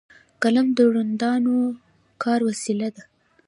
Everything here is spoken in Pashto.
قلم د روڼ اندو کار وسیله ده